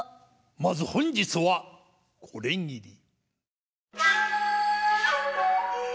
まず本日はこれぎり。